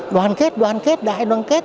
đoàn kết đoàn kết đại đoàn kết